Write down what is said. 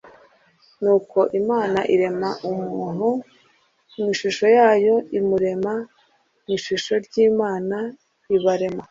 nuko imana irema muntu mu ishusho ryayo, imurema mu ishusho ry'imana ; ibarema